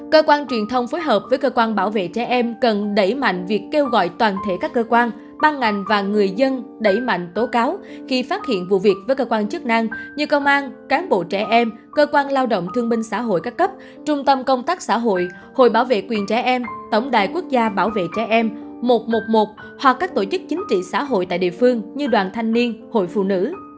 cơ quan truyền thông phối hợp với cơ quan bảo vệ trẻ em cần đẩy mạnh việc kêu gọi toàn thể các cơ quan ban ngành và người dân đẩy mạnh tố cáo khi phát hiện vụ việc với cơ quan chức năng như công an cán bộ trẻ em cơ quan lao động thương minh xã hội các cấp trung tâm công tác xã hội hội bảo vệ quyền trẻ em tổng đài quốc gia bảo vệ trẻ em một trăm một mươi một hoặc các tổ chức chính trị xã hội tại địa phương như đoàn thanh niên hội phụ nữ